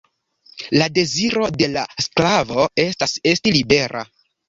La deziro de la sklavo estas esti libera.